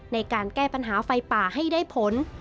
ในการแก้ปัญหาไฟป่าให้ได้ผล